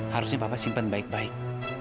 harusnya papa simpen baik baik